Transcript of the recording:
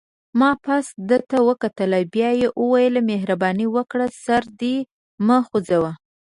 ما پاس ده ته وکتل، بیا یې وویل: مهرباني وکړه سر دې مه خوځوه.